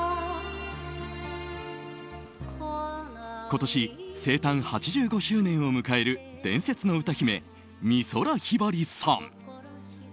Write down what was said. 今年、生誕８５周年を迎える伝説の歌姫・美空ひばりさん。